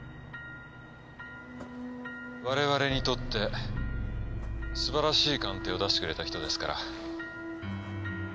我々にとって素晴らしい鑑定を出してくれた人ですから。